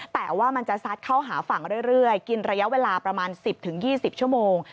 แต่ว่ามันจะซัดเข้าหาฝั่งเรื่อยกินระยะเวลาประมาณ๑๐๒๐ชั่วโมง